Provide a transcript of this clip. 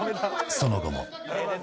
その後も。